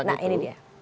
nah ini dia